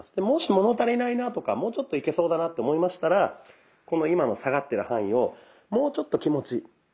もし物足りないなとかもうちょっといけそうだなと思いましたらこの今の下がってる範囲をもうちょっと気持ち。